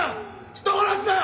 人殺しだよ！